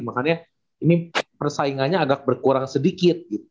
makanya ini persaingannya agak berkurang sedikit